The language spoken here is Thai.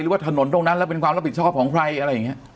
ว่าถนนตรงนั้นแล้วเป็นความรับผิดชอบของใครอะไรอย่างนี้